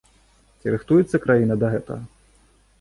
Ці рыхтуецца краіна да гэтага?